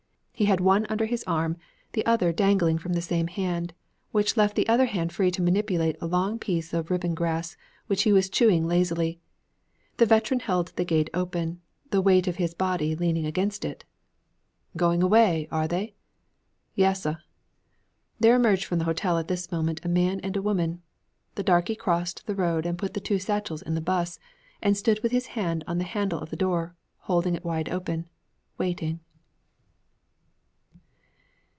He had one under his arm, the other dangling from the same hand, which left his other hand free to manipulate a long piece of ribbon grass which he was chewing lazily. The veteran held the gate open, the weight of his body leaning against it. 'Going away, are they?' 'Yassuh.' There emerged from the hotel at this moment a man and a woman. The darkey crossed the road and put the two satchels in the 'bus and stood with his hand on the handle of the door, holding it wide open, waiting.